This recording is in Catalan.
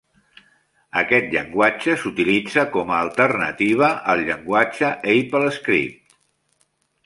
Aquest llenguatge s'utilitza com a alternativa al llenguatge AppleScript.